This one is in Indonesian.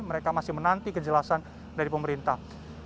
mereka masih menanti kejelasan dari pemerintah